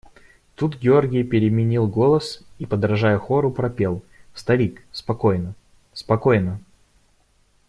Тут Георгий переменил голос и, подражая хору, пропел: – Старик, спокойно… спокойно!